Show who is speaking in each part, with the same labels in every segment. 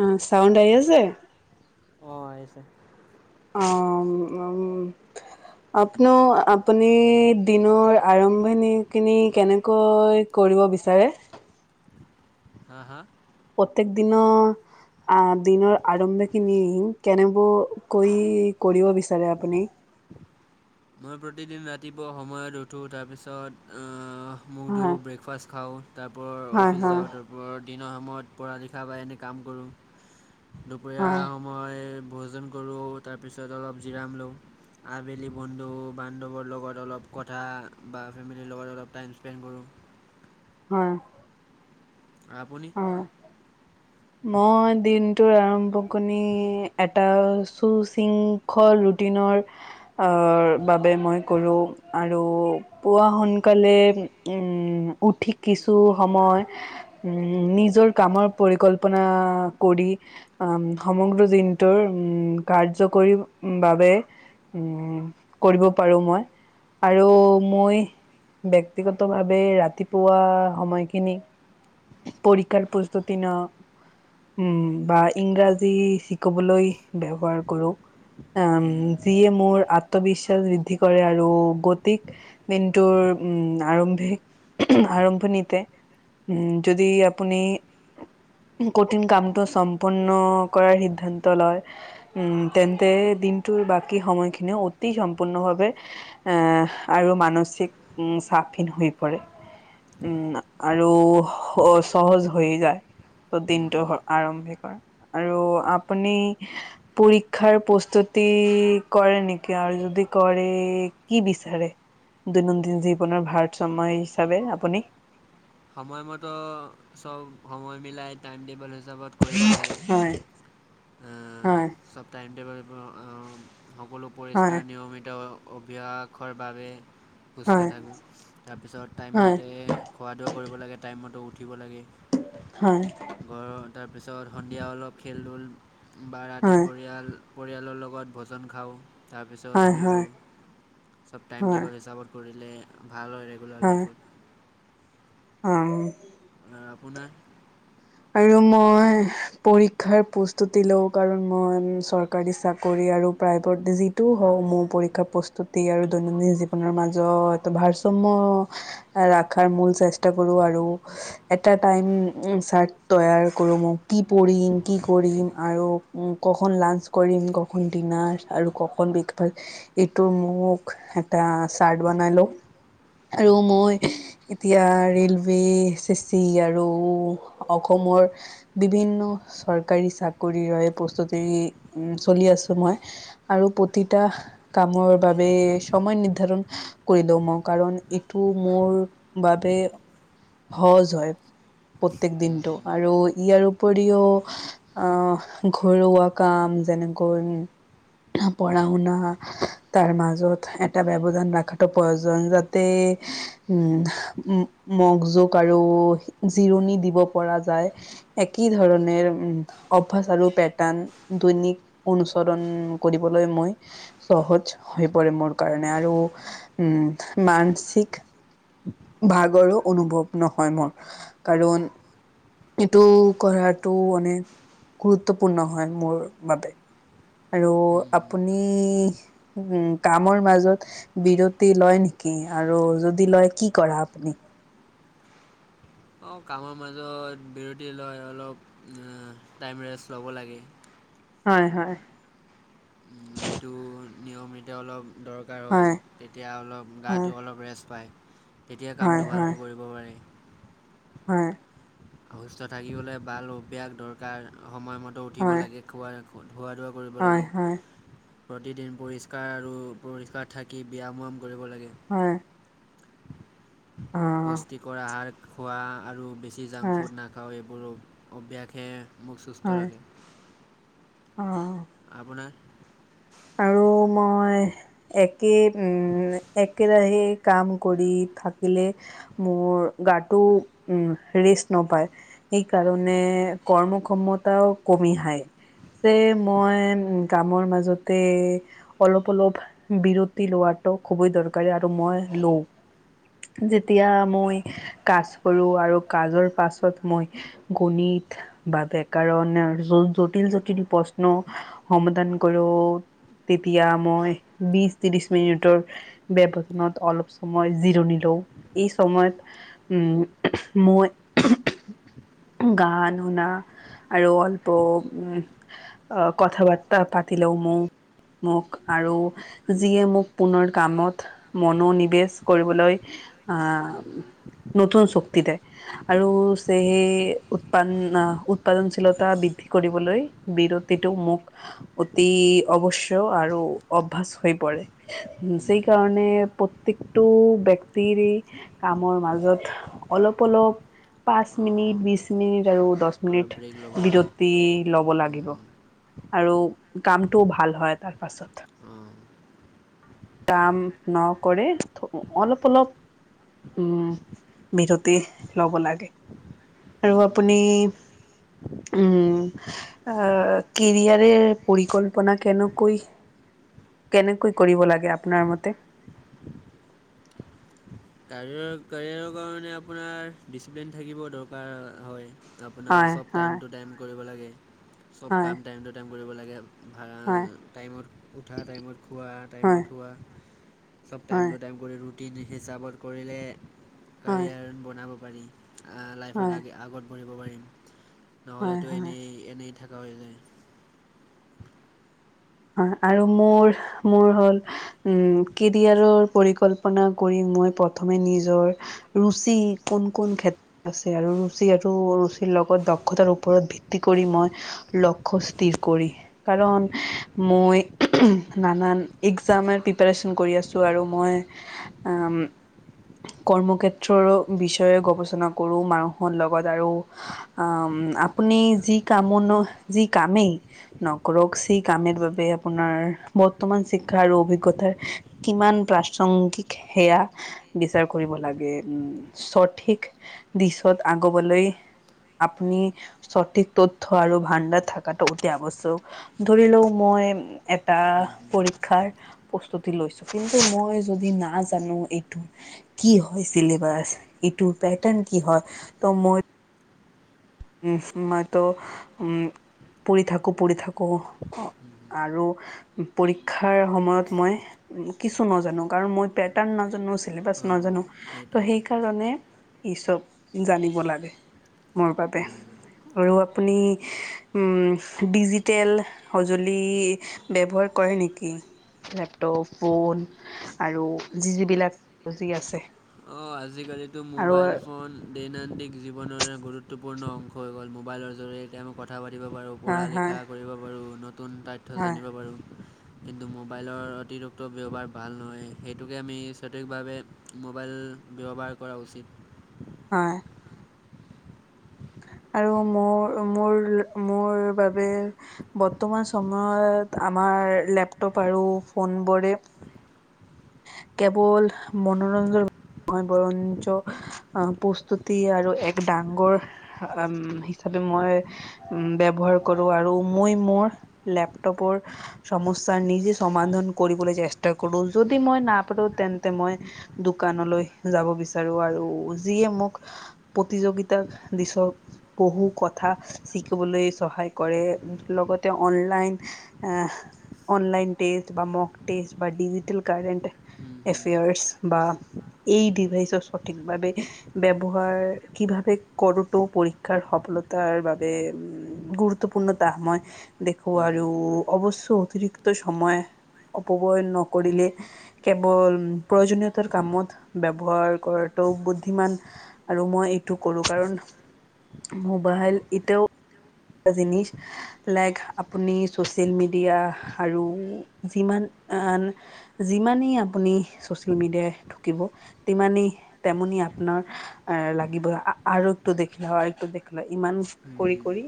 Speaker 1: উম, sound আহি আছে?
Speaker 2: অ', আহি আছে।
Speaker 1: অ', উ আপনো আপুনি দিনৰ আৰম্ভণি কিনি কেনেকৈ কৰিব বিচাৰে?
Speaker 2: হা হা।
Speaker 1: প্ৰত্যেক দিনৰ আ দিনৰ আৰম্ভখিনি কেনেব কৈ কৰিব বিচাৰে আপুনি?
Speaker 2: মই প্ৰতিদিন ৰাতিপুৱা সময়ত উঠো তাৰপিছত মুখ
Speaker 1: হয়,
Speaker 2: ধুওঁ ব্ৰেকফাষ্ট খাওঁ তাৰপা
Speaker 1: হয়,
Speaker 2: অফিচ
Speaker 1: হয়,
Speaker 2: যাওঁ তাৰপ দিনৰ সময়ত পঢ়া লিখা বা এনেই কাম কৰোঁ। দুপৰীয়া
Speaker 1: হয়,
Speaker 2: সময় ভোজন কৰোঁ তাৰপিছত অলপ জিৰাম লওঁ আবেলি বন্ধু বান্ধৱৰ লগত অলপ কথা বা ফেমিলিৰ লগত অলপ টাইম স্পেণ্ড কৰোঁ।
Speaker 1: হয়।
Speaker 2: আপুনি?
Speaker 1: অ'। মই দিনটোৰ আৰম্ভ কণি এটা শু চিংক ওখ ৰুটিনৰ অহ, বাবে মই কৰোঁ আৰু পোৱা সোনকালে উম, উঠি কিছু সময় উ, নিজৰ কামৰ পৰিকল্পনা কৰি উ সমগ্ৰ দিনটোৰ উম, কাৰ্যকৰী বাবে উম, কৰিব পাৰো মই। আৰু মই ব্যক্তিগতভাৱে ৰাতিপুৱা সময়খিনি পৰীক্ষাৰ প্ৰস্তুতি ন' উম বা ইংৰাজী শিকবলৈ ব্যৱহাৰ কৰোঁ। উম, যিয়ে মোৰ আত্মবিশ্বাস বৃদ্ধি কৰে আৰু গতিক দিনটোৰ উম, আৰম্ভিক আৰম্ভণিতে উম যদি আপুনি কঠিন কামটো সম্পন্ন কৰাৰ সিদ্ধান্ত লয় উম, তেন্তে দিনটোৰ বাকী সময়খিনি অতি সম্পূৰ্ণভাৱে আহ, আৰু মানসিক চাপখিনি শুই পৰে। উম আৰু সহজ হৈ যায়, ত' দিনটোৰ আৰমভি কৰা। আৰু আপুনি পৰীক্ষাৰ প্ৰস্তুতি কৰে নেকি আৰু যদি কৰে কি বিচাৰে? দৈনন্দিন জীৱনৰ ভাৰসাম্য হিচাপে আপুনি?
Speaker 2: সময়মতো সব সময় মিলাই টাইম টেবল হিচাপত কৰিব লাগে।
Speaker 1: হয় হয়।
Speaker 2: সব টাইম টেবল সকলো
Speaker 1: হয়
Speaker 2: পৰিষ্কাৰ নিয়মিত অভ্যাসৰ বাবে সুস্থ
Speaker 1: হয়
Speaker 2: থাকোঁ, তাৰপিছত
Speaker 1: হয়
Speaker 2: টাইমমতে খোৱা দোৱা কৰিব লাগে, টাইম মতে উঠিব লাগে।
Speaker 1: হয়।
Speaker 2: ঘৰৰ তাৰপিছত সন্ধিয়া অলপ খেল ধূল বা ৰাতি
Speaker 1: হয়
Speaker 2: পৰিয়াল পৰিয়ালৰ লগত ভোজন খাওঁ, তাৰপিছত
Speaker 1: হয় হয়
Speaker 2: শুই পৰোঁ,
Speaker 1: হয়
Speaker 2: সব টাইম
Speaker 1: হয়
Speaker 2: টেবল হিচাপত কৰিলে ভাল হয় ৰেগুলাৰ লাইফত।
Speaker 1: অ'।
Speaker 2: আপোনাৰ?
Speaker 1: আৰু মই পৰীক্ষাৰ প্ৰস্তুতি লও কাৰণ মই চৰ [unintelligible] চাকৰি আৰু প্ৰাইভেট যিটো হওক মোৰ পৰীক্ষা প্ৰস্তুতি আৰু দৈনন্দিন জী আপোনাৰ মাজত ভাৰসাম্য ৰখাৰ মূল চেষ্টা কৰো আৰু এটা টাইম উম, চাৰ্ট তৈয়াৰ কৰো মই কি পঢ়িম, কি কৰিম আৰু উম, [unintelligible] কৰিম কক ডিনাৰ আৰু ককন [unintelligible] এইটো মোক এটা চাৰ্ট বনাই লও। আৰু মই এতিয়া ৰেলৱে শিষ্টি ইয়াৰো অসমৰ বিভিন্ন চৰকাৰী চাকৰিৰ বাবে প্ৰস্তুতি উম, চলি আছো মই। আৰু প্ৰতিটা কামৰ বাবে সময় নিৰ্ধাৰণ কৰিলেও মই কাৰণ এইটো মোৰ বাবে- সহজ হয় প্ৰত্যেক দিনটো আৰু ইয়াৰ উপৰিও অ ঘৰুৱা কাম যেনেকৈ উম--' পঢ়া- শুনা তাৰ মাজত এটা ব্যয়ধান ৰাখাটো প্ৰয়োজন যাতে উম- মগজুক আৰু জিৰণি দিব পৰা যায়। একেই ধৰণেৰে উম অভ্যাস আৰু পেটাৰ্ণ দৈনিক অনুচৰণ কৰিবলৈ মই সহজ হৈ পৰে মোৰ কাৰণে আৰু উম মানসিক ভাগৰো অনুভৱ নহয় মোৰ, কাৰণ এইটো কৰাটো মানে গুৰুত্বপূৰ্ণ হয় মোৰ বাবে। আৰু আপুনি উম কামৰ মাজত বিৰতি লয় নেকি আৰু যদি লয় কি কৰা আপুনি?
Speaker 2: অঁ কামৰ মাজত বিৰতি লয় অলপ টাইম ৰেষ্ট ল'ব লাগে।
Speaker 1: হয়- হয়।
Speaker 2: এইটো নিয়মিটো অলপ ধৰক [unintelligible]
Speaker 1: হয়
Speaker 2: তেতিয়া অলপ গাটো অলপ ৰেষ্ট পায় তেতিয়া
Speaker 1: হয়
Speaker 2: কামটো
Speaker 1: হয়
Speaker 2: ভালকৈ কৰিব পাৰি।
Speaker 1: হয়।
Speaker 2: সুস্থ থাকিবলৈ ভাল অভ্যাস দৰকাৰ সময়মতো উঠিব
Speaker 1: হয়
Speaker 2: লাগে খোৱা ধোৱা কৰিব
Speaker 1: হয় হয়
Speaker 2: লাগে।
Speaker 1: হয়
Speaker 2: প্ৰতিদিন পৰিষ্কাৰ আৰু পৰিপাত থাকি ব্যায়াম ম্যায়াম কৰিব লাগে।
Speaker 1: হয়। অ
Speaker 2: পুষ্টিকৰ আহাৰ খোৱা আৰু বেছি জাংক
Speaker 1: হয়
Speaker 2: ফুড নাখাওঁ এইবোৰ অভ্যাসে মোক সুস্থ
Speaker 1: হয়
Speaker 2: ৰাখে
Speaker 1: অ',
Speaker 2: আপোনাৰ
Speaker 1: আৰু, মই একেই উম এক একে ৰাহে কাম কৰি থাকিলে মোৰ গাটো উম ৰেষ্ট নপায়। এই কাৰণে, কৰ্ম ক্ষমতাও কমি আহায় যে মই অম কামৰ মাজতে অলপ - অলপ বিৰতি লোৱাটো খুবেই দৰকাৰি আৰু মই লওঁ যেতিয়া মই কাজ কৰো আৰু কাজৰ পাছত মই গণিত বা ব্যাকৰণ আ জটিল যোন খিনি প্ৰশ্ন সমাধান কৰো। তেতিয়া মই বিশ ত্ৰিশ মিনিটৰ ব্যৱধানত অলপ সময় জিৰণি লওঁ ই সময়ত মই গান শুনা আৰু অলপো উম অ কথা বাৰ্তা পাতিলোও মৌ মোক আৰু যিয়ে মোক পুনৰ কামত মনোনিৱেশ কৰিবলৈ। আহ
Speaker 2: উম,
Speaker 1: নতুন শক্তি দে আৰু সেয়েহে উৎপাণ আহ উৎপাদনশীলতা বৃদ্ধি কৰিবলৈ। বিৰতিটো মোক অতি অৱশ্য আৰু অভ্যাস হৈ পৰে। যি
Speaker 2: উম, উম।
Speaker 1: কাৰণে প্ৰত্যেকটো ব্যক্তিৰ কামৰ মাজত অলপ অলপ পাঁচ মিনিট,
Speaker 2: অঁ
Speaker 1: বিশ মিনিট আৰু দহ মিনিট
Speaker 2: অলপ ব্ৰেক ল'ব লাগে
Speaker 1: বিৰতি ল'ব লাগিব
Speaker 2: উম,
Speaker 1: আৰু কাম টো ভাল হয় তাৰ পাছত।
Speaker 2: অ'।
Speaker 1: কাম নকৰে অলপ অলপ উম, বিৰতি ল'ব লাগে। আৰু
Speaker 2: উম, উম।
Speaker 1: আপুনি উম আ, কেৰিয়াৰে পৰিকল্পনা কেনেকৈ কেনেকৈ কৰিব লাগে আপোনাৰ মতে?
Speaker 2: কাৰ, কাৰিয়াৰৰ কাৰণে আপোনাৰ ডিচিপ্লিন থাকিব দৰকাৰ হয়। আপোনাৰ
Speaker 1: হয়
Speaker 2: চ'ব টাইম
Speaker 1: হয়
Speaker 2: টু টাইম কৰিব লাগে, চ'ব
Speaker 1: হয়
Speaker 2: কাম টাইম টু টাইম কৰিব লাগে। ভাড়া,
Speaker 1: হয়
Speaker 2: টাইমত উঠা, টাইমত খোৱা, টাইমত শুৱা। চ'ব টাইম
Speaker 1: হয়
Speaker 2: টু
Speaker 1: হয়
Speaker 2: টাইম কৰি ৰুটিন হিচাপত কৰিলে
Speaker 1: হয়
Speaker 2: কাৰিয়াৰ বনাব পাৰি। আ,
Speaker 1: হয়
Speaker 2: লাইফত আগে আগত বহিব পাৰিম,
Speaker 1: হয়
Speaker 2: নহ'লেতো
Speaker 1: হয়
Speaker 2: এনেই এনেই থকা হৈ যায়।
Speaker 1: আহ, আৰু মোৰ মোৰ হ'ল উম, কেৰিয়াৰৰ পৰিকল্পনা কৰি মই প্ৰথমে নিজৰ ৰুচি কোন কোন ক্ষেত আছে আৰু ৰুচি আৰু ৰুচিৰ লগত দক্ষতাৰ ওপৰত ভিত্তি কৰি মই লক্ষ্য স্থিৰ কৰি, কাৰণ মই নানান এক্সামৰ প্ৰেপাৰেশ্যন কৰি আছোঁ আৰু মই আম কৰ্মক্ষেত্ৰৰো বিষয়ে গৱেষণা কৰো মানুহৰ লগত আৰু আম, আপুনি যি কামনো যি কামেই নকৰক সেই কামে বাবে আপোনাৰ বৰ্তমান শিক্ষা আৰু অভিজ্ঞতাৰ কিমান প্ৰাসংগিক সেয়া বিচাৰ কৰিব লাগে। উম, সঠিক দিশত আগুৱাবলৈ আপুনি সঠিক তথ্য আৰু ভাণ্ডাৰ থকাটো অতি আৱশ্যয়ক, ধৰি লওক মই এটা
Speaker 2: হুম, হুম,
Speaker 1: পৰীক্ষাৰ প্ৰস্তুতি লৈছো। কিন্তু মই যদি না জানো এইটো কি হয় চিলবছ, এইটোৰ পেটাৰ্ণ কি হয়? ত মই উম, মইতো উম, পুৰি থাকো পুৰি থাকো
Speaker 2: হুম, হুম।
Speaker 1: আৰু পৰীক্ষাৰ সময়ত মই কিছু নাজানো কাৰণ মই পেটাৰ্ণ নাজানো, চছিলেবাছ
Speaker 2: অঁ
Speaker 1: নাজানো। ত'
Speaker 2: সেইটোৱে
Speaker 1: সেইকাৰণে ই চ'ব জানিব লাগে মোৰ বাবে।
Speaker 2: হুম।
Speaker 1: আৰু আপুনি উম, ডিজিতেল সঁজুলি ব্যৱহাৰ কৰে নেকি? লেপটপ ফোন আৰু যি যিবিলাক যি আছে।
Speaker 2: অ', আজিকালিতো
Speaker 1: আৰু
Speaker 2: মোবাইল
Speaker 1: হয়
Speaker 2: ফোন দৈনন্দিন জীৱনৰ গুৰুত্বপূৰ্ণ অংশ হৈ গ'ল, মোবাইলৰ জৰিয়তে কথা পাতিব পাৰোঁ,
Speaker 1: হয়
Speaker 2: কৰিব পাৰোঁ, নতুন তথ্য
Speaker 1: হয়
Speaker 2: জানিব পাৰোঁ। কিন্তু মোবাইলৰ অতিৰিক্ত ব্যৱহাৰ ভাল নহয়। সেইটোকে আমি সঠিকভাৱে মোবাইল ব্যৱহাৰ কৰা উচিত।
Speaker 1: হয়। আৰু মোৰ মোৰ মোৰ বাবে বৰ্তমান সময়ত আমাৰ লেপটপ আৰু ফোনবোৰে কেৱল মনোৰঞ্জনৰ নহয় বৰঞ্চ আহ প্ৰস্তুতি আৰু এক ডাঙৰ হিচাপে মই উম ব্যৱহাৰ কৰো আৰু মই মোৰ লেপটপৰ সমস্যা নিজে সমাধান কৰিবলৈ চেষ্টা কৰো যদি মই নাপাৰো তেন্তে মই দোকানলৈ যাব বিচাৰো আৰু যিয়ে মোক প্ৰতিযোগিতাৰ দিশত বহু কথা শিকিবলৈ সহায় কৰে লগতে অনলাইন এ অনলাইন টেষ্ট বা মক টেষ্ট বা ডিজিটেল কাৰেণ্ট
Speaker 2: হুম হুম
Speaker 1: এফেয়াৰছ বা এই ডিভাইচৰ সঠিক ভাৱে ব্যৱহাৰ কি ভাবে কৰোতো পৰীক্ষাৰ সফলতাৰ বাবে গুৰুত্বপূৰ্ণতা মই দেখো
Speaker 2: হুম
Speaker 1: আৰু অৱশ্য অতিৰিক্ত সময় অপব্যয় নকৰিলে কেৱল প্ৰয়োজনীয়তাৰ কামত ব্যৱহাৰ কৰাটো বুদ্ধিমান আৰু মই এইটো কৰো কাৰণ মোবাইল এতিয়াও জিনিচ লাইক আপুনি চচিয়েল মিডিয়া আৰু যিমান আন যিমানেই আপুনি চচিয়েল মিডিয়াই ঢুকিব টিমানেই তেমনি আপোনাৰ এ লাগিব আৰু একো দেখিলে আৰু একো দেখিলা ইমান
Speaker 2: হুম হুম
Speaker 1: কৰি
Speaker 2: হুম
Speaker 1: কৰি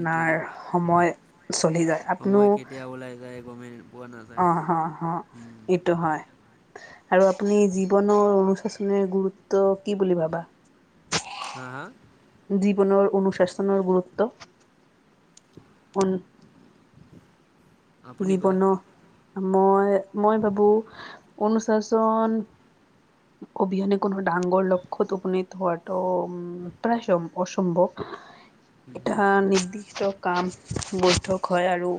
Speaker 2: এইটোৱে
Speaker 1: সময় চলি যায় আপুনিও
Speaker 2: সময় কেতিয়া ওলাই যায় গমে নাপাই।
Speaker 1: অ অ অ। এইটো হয় আৰু আপুনি জীৱনৰ অনুশচনে গুৰুত্ব কি বুলি ভাবা?
Speaker 2: হা হা?
Speaker 1: জীৱনৰ অনুশাসনৰ গুৰুত্ব অ
Speaker 2: আপুনি কোৱা
Speaker 1: জীৱন মই, মই ভাবো অনুশাসন [inaudible] অবিহনে কোনো ডাঙৰ লক্ষ্যত উপনীত হোৱাটো উম, প্ৰায় সম অসম্ভৱ।
Speaker 2: হুম হুম
Speaker 1: এটা নিৰ্দিষ্ট কাম বৈধক হয় আৰু।